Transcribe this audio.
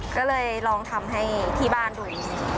ก็เลยลองทำให้ที่บ้านดูดี